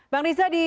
bang rizwa di